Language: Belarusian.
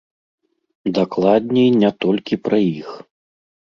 Дакладней, не толькі пра іх.